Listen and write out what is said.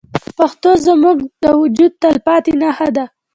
پښتو زموږ د وجود تلپاتې نښه ده.